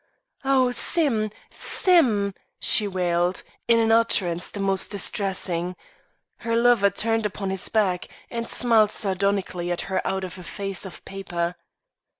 "Oh, Sim! Sim!" she wailed, in an utterance the most distressing. Her lover turned upon his back and smiled sardonically at her out of a face of paper.